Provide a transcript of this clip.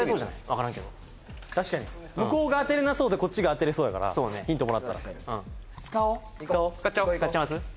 分からんけど確かに向こうが当てれなそうでこっちが当てれそうやからヒントもらったら使おう使っちゃいます？